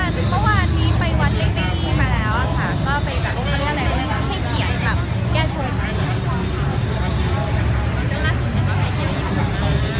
เราไม่ค่อยมีเวลาได้ถึง